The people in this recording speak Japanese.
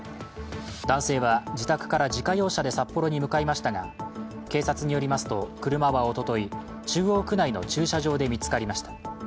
男性は、自宅から自家用車で札幌に向かいましたが、警察によりますと、車はおととい中央区内の駐車場で見つかりました。